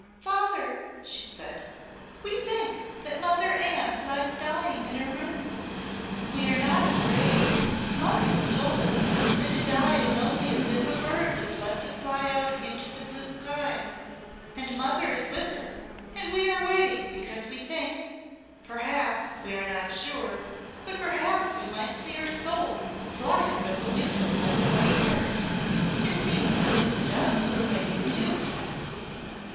"Father," she said, "we think that Mother Anne lies dying in her room. We are not afraid; mother has told us that to die is only as if a bird was let to fly out into the blue sky. And mother is with her, and we are waiting because we think perhaps we are not sure but perhaps we might see her soul fly out of the window like a white bird. It seems as if the doves were waiting too."